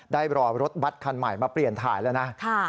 รอรถบัตรคันใหม่มาเปลี่ยนถ่ายแล้วนะ